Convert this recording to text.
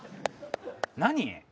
何？